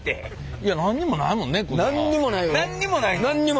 いや何にもないもんね？